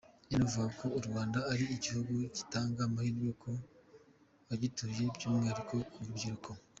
Yanavugaga ko u Rwanda ari igihugu gitanga amahirwe ku bagituye by’umwihariko ku rubyiruko.